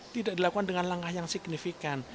tidak dilakukan dengan langkah yang signifikan